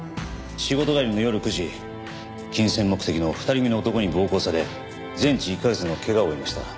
仕事帰りの夜９時金銭目的の２人組の男に暴行され全治１カ月の怪我を負いました。